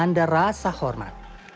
menanda rasa hormat